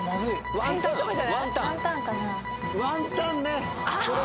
ワンタンね！